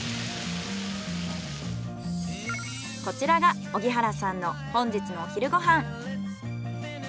こちらが荻原さんの本日のお昼ご飯。